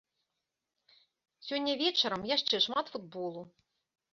Сёння вечарам яшчэ шмат футболу.